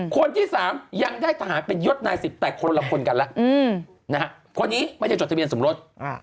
คนที่๓ยังได้ทหารเป็นยศนาย๑๐แต่คนละคนกันแล้วคนนี้ไม่ได้จดทะเบียนสมรส